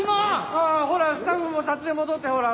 ああほらスタッフも撮影戻ってほら。